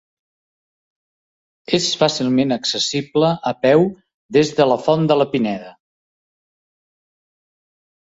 És fàcilment accessible, a peu, des de la Font de la Pineda.